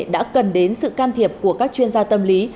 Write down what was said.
đã cần đến sự can thiệp của các chuyên gia tâm lý